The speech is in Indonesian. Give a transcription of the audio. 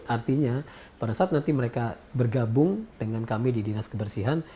artinya pada saat nanti mereka bergabung dengan kami di dinas kebersihan